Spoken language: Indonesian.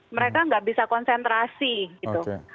mereka nggak bisa konsentrasi gitu